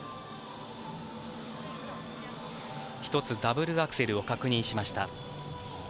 １つ、ダブルアクセルを確認しました。